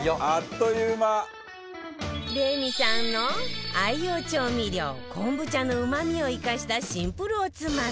レミさんの愛用調味料こんぶ茶のうまみを生かしたシンプルおつまみ